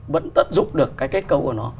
vẫn tận dụng được cái kết cấu của nó